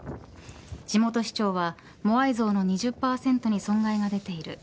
地元市長はモアイ像の２０％に損害が出ている。